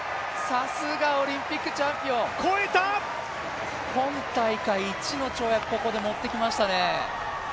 さすが、オリンピックチャンピオン今大会いちの跳躍を、ここで持ってきましたね。